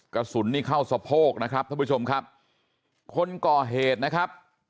กระสุนนี้เข้าทรพโภคนะครับคนก่อเหตุนะครับ